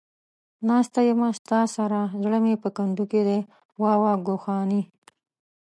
ناسته يمه ستا سره ، زړه مې په کندو کې دى ، واوا گوخانې.